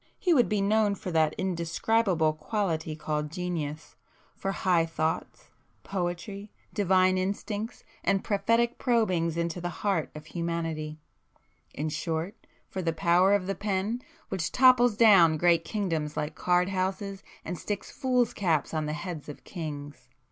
He would be known for that indescribable quality called Genius,—for high thoughts, poetry, divine instincts, and prophetic probings into the heart of humanity,—in short, for the power of the Pen, which topples down great kingdoms like card houses and sticks foolscaps on the heads of kings.